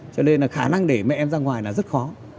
cho nên là khả năng để mà em ra ngoài là rất khó